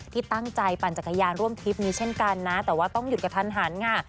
ที่ตั้งใจปั่นจักรยานร่วมทริปนี้เช่นกันนะแต่ว่าต้องหยุดกระทันหันค่ะ